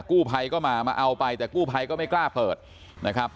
กู้ภัยก็มามาเอาไปแต่กู้ภัยก็ไม่กล้าเปิดนะครับ